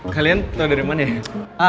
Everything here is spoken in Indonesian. kalian tahu dari mana ya